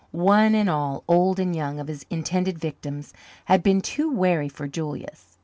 One and all, old and young, of his intended victims had been too wary for Julius.